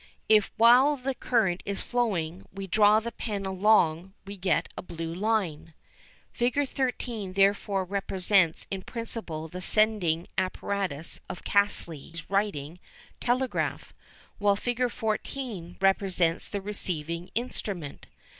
If, while the current is flowing, we draw the pen along, we get a blue line. Fig. 13 therefore represents in principle the sending apparatus of Caselli's writing telegraph, while Fig. 14 represents the receiving instrument.